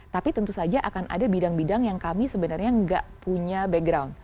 tapi tentu saja akan ada bidang bidang yang kami sebenarnya nggak punya background